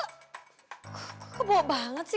kok gue kebawa banget sih